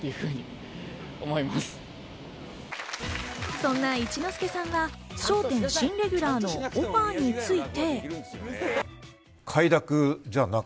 そんな一之輔さんは『笑点』新レギュラーのオファーについて。